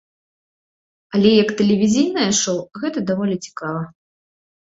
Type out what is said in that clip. Але, як тэлевізійнае шоў, гэта даволі цікава.